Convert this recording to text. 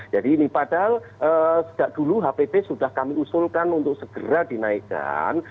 jadi ini padahal sejak dulu hpt sudah kami usulkan untuk segera dinaikkan